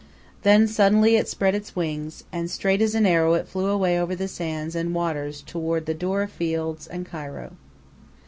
Then suddenly it spread its wings, and, straight as an arrow, it flew away over the sands and the waters toward the doura fields and Cairo.